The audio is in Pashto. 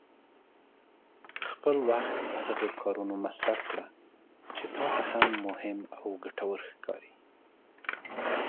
خپل وخت په هغه کارونو مصرف کړه چې تا ته مهم او ګټور ښکاري.